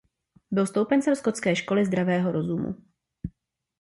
Byl stoupencem skotské školy zdravého rozumu.